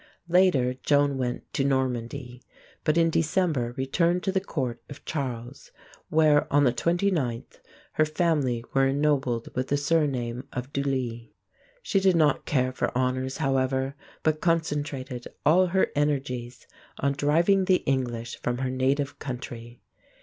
Later Joan went to Normandy, but in December returned to the court of Charles, where on the 29th her family were ennobled with the surname of du Lis (Lee). She did not care for honors, however, but concentrated all her energies on driving the English from her native country.